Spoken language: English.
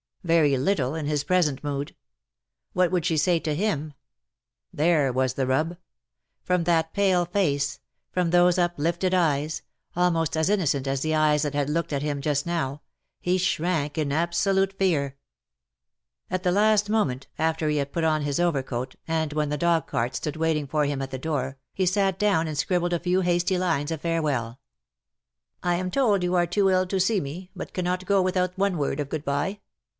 Very little, in his present mood. What would she say to him ? There was the rub. From that pale face — from those uplifted eyes — almost as innocent as the eyes that had looked at him just now — he shrank in absolute fear. At the last moment, after he had put on his '^ DUST TO DUST." 79 overcoat,, and when the dogcart stood waitiDg for him at the door, he sat down and scribbled a few hasty lines of farewell. " I am told you are too ill to see me, but cannot go without one word of good bye.